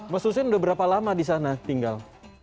mas hussein udah berapa lama di sana tinggal